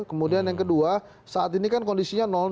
kemudian yang kedua saat ini kan kondisinya